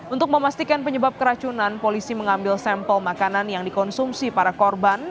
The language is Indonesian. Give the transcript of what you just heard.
untuk memastikan penyebab keracunan polisi mengambil sampel makanan yang dikonsumsi para korban